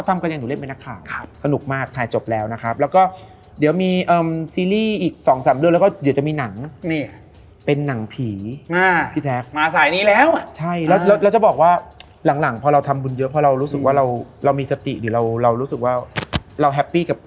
ไม่เปิดตาอีกเลยจนเช้าแต่ไม่หลับ